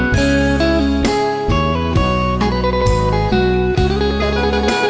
เป็นไงคะ